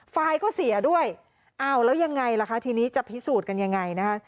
ไฟล์ก็เสียด้วยอ้าวแล้วยังไงล่ะคะทีนี้จะพิสูจน์กันยังไงนะคะ